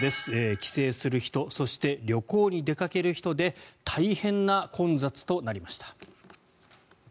帰省する人そして旅行に出かける人で大変な混雑となりました。